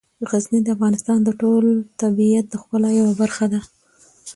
غزني د افغانستان د ټول طبیعت د ښکلا یوه برخه ده.